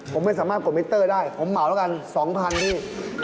ผมไม่สามารถกดมิเตอร์ได้ผมเหมาแล้วกัน๒๐๐พี่